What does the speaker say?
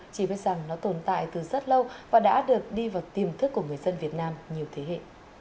chỉ biết rằng nó tồn tại từ rất lâu và đã được đi vào tiềm thức của người dân việt nam nhiều thế hệ